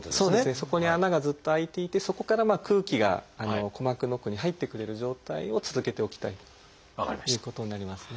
そこに穴がずっと開いていてそこから空気が鼓膜の奥に入ってくれる状態を続けておきたいということになりますね。